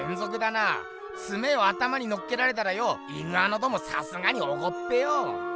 ツメを頭にのっけられたらよイグアノドンもさすがにおこっぺよ！